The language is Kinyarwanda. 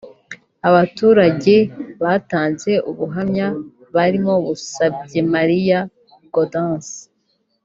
Abaturage batanze ubuhamya barimo Musabyemariya Gaudence